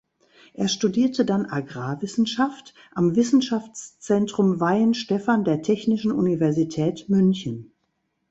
Er studierte dann Agrarwissenschaft am Wissenschaftszentrum Weihenstephan der Technischen Universität München.